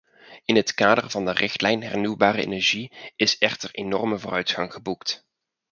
In het kader van de richtlijn hernieuwbare energie is echter enorme vooruitgang geboekt.